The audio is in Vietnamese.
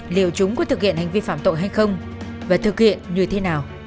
liệu chúng có thực hiện hành vi phạm tội hay không và thực hiện như thế nào